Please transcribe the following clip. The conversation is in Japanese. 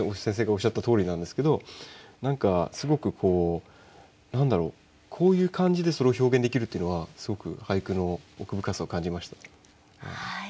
先生がおっしゃったとおりなんですけど何かすごくこう何だろうこういう感じでそれを表現できるというのはすごく俳句の奥深さを感じましたね。